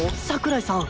櫻井さん。